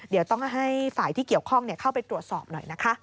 เดี๋ยวต้องให้ฝ่ายที่เกี่ยวข้องเข้าไปตรวจสอบหน่อยนะคะ